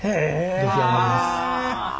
出来上がります。